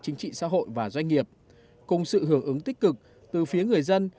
chính trị xã hội và doanh nghiệp cùng sự hưởng ứng tích cực từ phía người dân